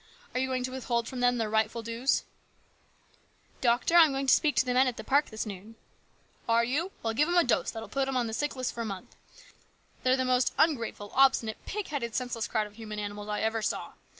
Are you going to withhold from them their rightful dues ?" 46 HIS BROTHER'S KEEPER. " Doctor, I am going to speak to the men at the park this noon." " Are you ? Well, give 'em a dose that'll put 'em on the sick list for a month. They're the most ungrateful, obstinate, pig headed, senseless crowd of human animals I ever saw.